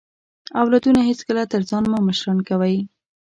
اولادونه هیڅکله تر ځان مه مشران کوئ